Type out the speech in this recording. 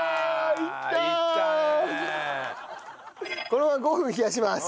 これを５分冷やします。